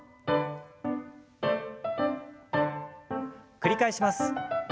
繰り返します。